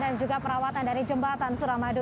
dan juga perawatan dari jembatan